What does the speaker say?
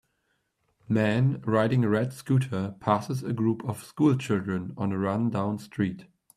Man riding a red scooter passes a group of school children on a run down street.